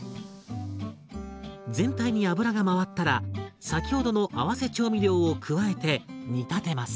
全体に油が回ったら先ほどの合わせ調味料を加えて煮立てます。